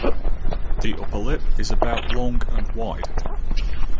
The upper lip is about long and wide.